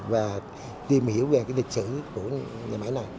và tìm hiểu về cái lịch sử của nhà máy này